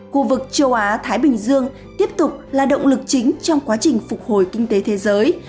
khu vực châu á thái bình dương tiếp tục là động lực chính trong quá trình phục hồi kinh tế thế giới